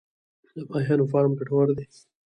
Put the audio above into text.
د ماهیانو فارم ګټور دی؟